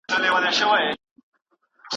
د قرآن کريم په آياتونو کي فکر کول عقل زياتوي.